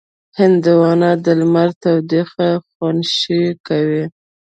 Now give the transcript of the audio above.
هندوانه د لمر تودوخه خنثی کوي.